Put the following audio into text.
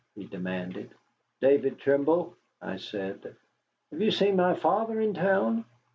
he demanded. "David Trimble," I said. "Have you seen my father in town?"